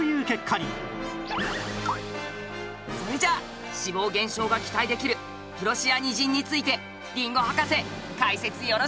それじゃあ脂肪減少が期待できるプロシアニジンについてりんご博士解説よろしく！